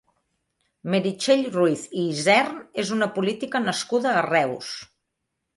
Meritxell Ruiz i Isern és una política nascuda a Reus.